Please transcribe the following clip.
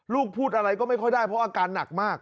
พูดอะไรก็ไม่ค่อยได้เพราะอาการหนักมาก